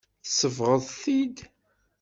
Tsebɣeḍ-t-id.